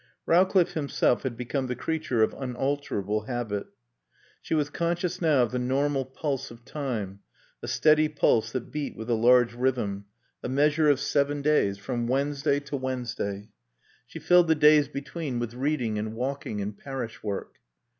Rowcliffe himself had become the creature of unalterable habit. She was conscious now of the normal pulse of time, a steady pulse that beat with a large rhythm, a measure of seven days, from Wednesday to Wednesday. She filled the days between with reading and walking and parish work.